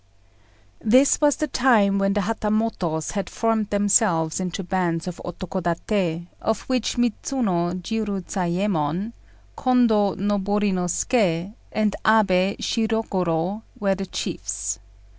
This was the time when the Hatamotos had formed themselves into bands of Otokodaté, of which Midzuno Jiurozayémon, Kondô Noborinosuké, and Abé Shirogorô were the chiefs.